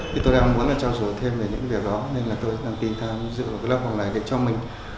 thì tôi đang muốn là trao dổi thêm về những việc đó nên là tôi đang tin tham dự lớp học này để cho mình